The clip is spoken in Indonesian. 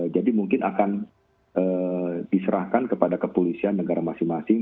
jadi mungkin akan diserahkan kepada kepolisian negara masing masing